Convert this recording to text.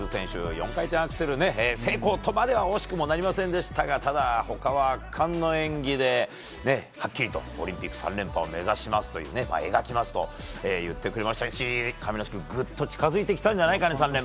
４回転アクセル成功とまでは惜しくもなりませんでしたがただ、他は圧巻の演技ではっきりとオリンピック３連覇を目指しますと言ってくれましたし亀梨君、ぐっと３連覇が近づいてきたんじゃないですかね。